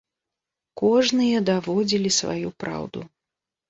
Кожныя даводзілі сваю праўду.